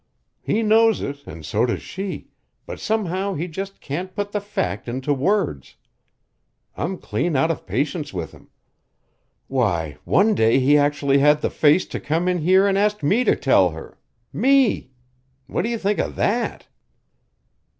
He knows it an' so does she, but somehow he just can't put the fact into words. I'm clean out of patience with him. Why, one day he actually had the face to come in here an' ask me to tell her me! What do you think of that?"